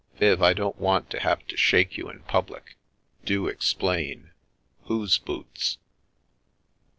" Viv, I don't want to have to shake you in public. Do explain. Whose boots?